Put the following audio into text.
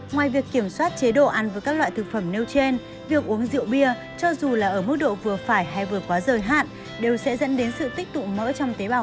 ngoài việc kiểm soát chế độ ăn với các loại thực phẩm nêu trên việc uống rượu bia cho dù là ở mức độ vừa phải hay vừa quá rời hạn đều sẽ dẫn đến sự tích tụ mỡ trong tế bào